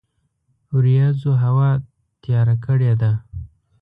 وریځوهوا تیار کړی ده